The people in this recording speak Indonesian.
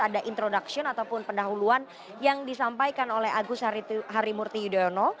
ada introduction ataupun pendahuluan yang disampaikan oleh agus harimurti yudhoyono